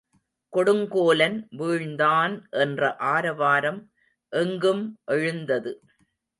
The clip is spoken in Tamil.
கொடுங்கோலன் வீழ்ந்தான் என்ற ஆரவாரம் எங்கும் எழுந்தது.